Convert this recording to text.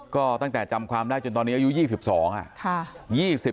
ก็ตั้งแต่จำความได้จนตอนนี้อายุ๒๒อ่ะ